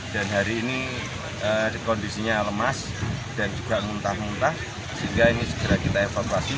dan hari ini kondisinya lemas dan juga muntah muntah sehingga ini segera kita evaporasi